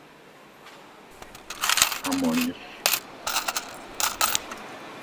A morir!!!